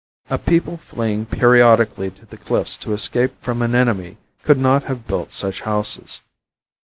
A people fleeing periodically to the cliffs to escape from an enemy could not have built such houses.